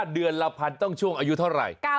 เดือนละพันต้องช่วงอายุเท่าไหร่